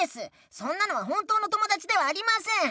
そんなのは本当の友だちではありません。